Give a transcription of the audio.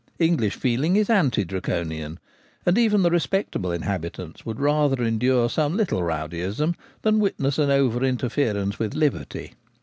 English feeling is anti Draconian; and even the respectable inhabitants would rather endure some little rowdyism than witness an over interference with liberty.